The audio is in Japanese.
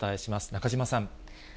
中島さん。